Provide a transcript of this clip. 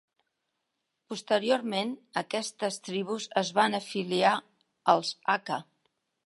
Posteriorment, aquestes tribus es van afiliar als aka.